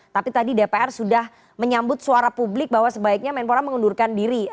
tapi tadi dpr sudah menyambut suara publik bahwa sebaiknya menpora mengundurkan diri